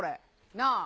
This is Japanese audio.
なあ。